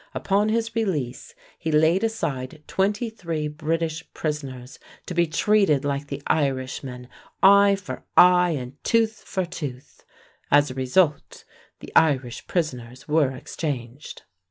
Upon his release he laid aside twenty three British prisoners to be treated like the Irishmen, eye for eye and tooth for tooth. As a result, the Irish prisoners were exchanged.